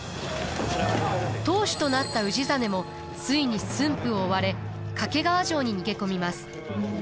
当主となった氏真もついに駿府を追われ掛川城に逃げ込みます。